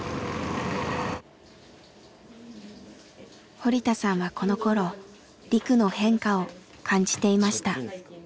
堀田さんはこのころリクの変化を感じていました。